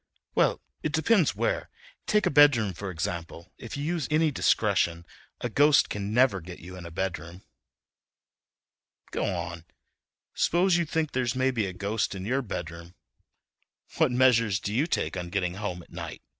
"Well, it depends where. Take a bedroom, for example. If you use any discretion a ghost can never get you in a bedroom." "Go on, s'pose you think there's maybe a ghost in your bedroom—what measures do you take on getting home at night?"